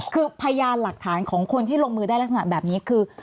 คือพยานหลักฐานของคนที่ลงมือได้ลักษณะแบบนี้คือ